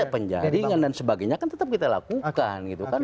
penjaringan dan sebagainya kan tetap kita lakukan gitu kan